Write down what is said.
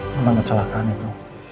tentang kecelakaan itu